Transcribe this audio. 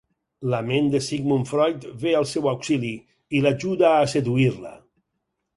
La ment de Sigmund Freud ve al seu auxili, i l'ajuda a seduir-la.